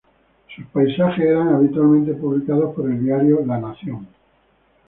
Sus paisajes eran habitualmente publicado por el Diario La Nación.